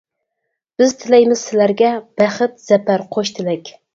بىز تىلەيمىز سىلەرگە، بەخت، زەپەر قوش تىلەك.